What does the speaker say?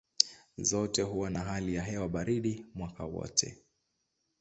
Zote huwa na hali ya hewa baridi mwaka wote.